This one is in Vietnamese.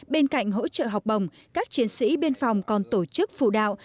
bên cạnh hỗ trợ học bồng các chiến sĩ biên phòng còn tổ chức phụ đạo